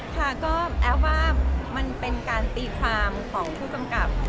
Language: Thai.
ค่ะก็แอฟว่ามันเป็นการตีความของผู้กำกับ